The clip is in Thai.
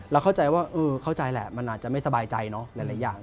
เข้าใจว่าเออเข้าใจแหละมันอาจจะไม่สบายใจเนอะหลายอย่าง